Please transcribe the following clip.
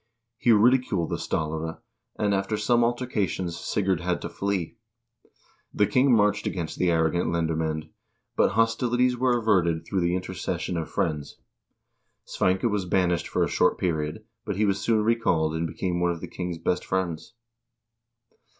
He ridiculed the stallare, and after some altercations, Sigurd had to flee. The king marched against the arrogant lendermand, but hostilities were averted through the intercession of friends. Sveinke was banished for a short period, but he was soon recalled, and became one of the king's best friends.